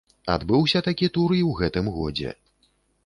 Адбыўся такі тур і ў гэтым годзе.